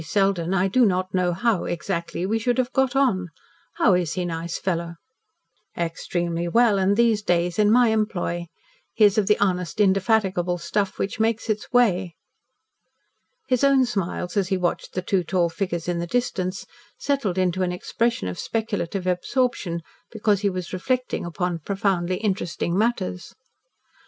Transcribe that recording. Selden, I do not know how, exactly, we should have got on. How is he, nice fellow?" "Extremely well, and in these days in my employ. He is of the honest, indefatigable stuff which makes its way." His own smiles, as he watched the two tall figures in the distance, settled into an expression of speculative absorption, because he was reflecting upon profoundly interesting matters.